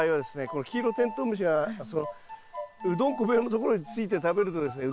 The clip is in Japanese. このキイロテントウムシがうどんこ病のところについて食べるとですね